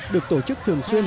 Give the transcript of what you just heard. được tổ chức thường xuyên